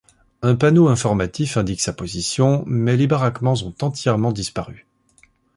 Un panneau informatif indique sa position, mais les baraquements ont entièrement disparu.